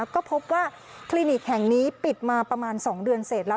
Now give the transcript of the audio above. ก็พบว่าคลินิกแห่งนี้ปิดมาประมาณ๒เดือนเสร็จแล้ว